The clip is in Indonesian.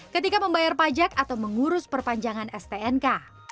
ketika membayar pajak atau mengurus perpanjangan stnk